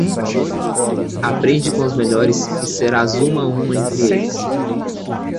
aprende com os melhores e serás uma um entre eles.